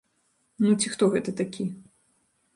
Ну, ці хто гэта такі.